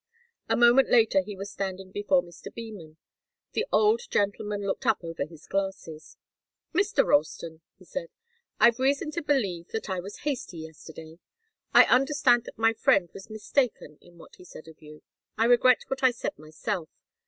A moment later he was standing before Mr. Beman. The old gentleman looked up over his glasses. "Mr. Ralston," he said, "I've reason to believe that I was hasty yesterday. I understand that my friend was mistaken in what he said of you. I regret what I said myself.